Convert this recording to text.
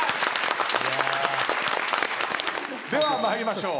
では参りましょう。